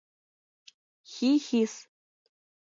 Хи-хи-с.